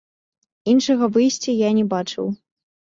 Іншага выйсця я не бачыў.